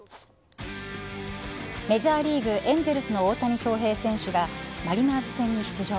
メジャーリーグエンゼルスの大谷翔平選手がマリナーズ戦に出場。